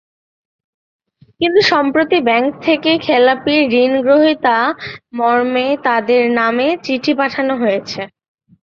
কিন্তু সম্প্রতি ব্যাংক থেকে খেলাপি ঋণগ্রহীতা মর্মে তাঁদের নামে চিঠি পাঠানো হয়েছে।